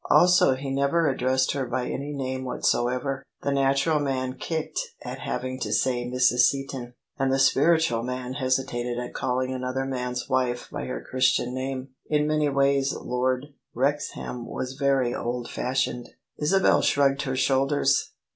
Also he never addressed her by any name whatsoever; the natural man kicked at having to say " Mrs. Seaton," and the spiritual man hesitated at calling another man's wife by her Christian name. In many ways Lord Wrexham was very old fashioned. Isabel shrugged her shoulders.